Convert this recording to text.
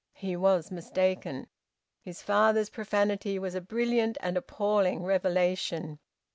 He was mistaken. His father's profanity was a brilliant and appalling revelation.